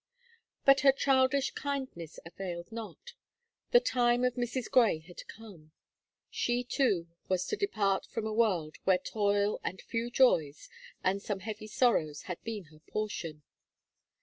But her childish kindness availed not. The time of Mrs. Gray had come; she too was to depart from a world where toil and few joys, and some heavy sorrows had been her portion.